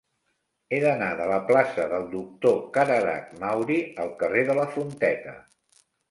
He d'anar de la plaça del Doctor Cararach Mauri al carrer de Fonteta.